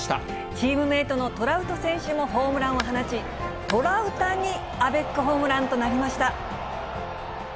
チームメートのトラウト選手もホームランを放ち、トラウタニアベックホームランとなりました。